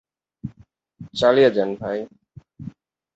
মুসলিম হওয়ার পর Abu Sufyan মুসলিম সাম্রাজ্যে গুরুত্বপূর্ণ ভূমিকা রেখেছেন।